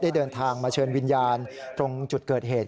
เดินทางมาเชิญวิญญาณตรงจุดเกิดเหตุ